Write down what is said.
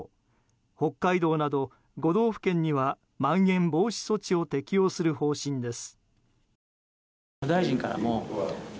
北海道など５道府県にはまん延防止措置を適用する方針です。